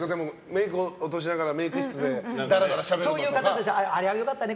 メイク落としながらメイク室でそういう方たちはあれ良かったね